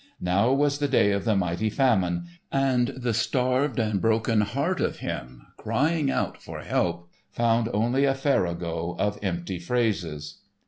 Now was the day of the mighty famine, and the starved and broken heart of him, crying out for help, found only a farrago of empty phrases.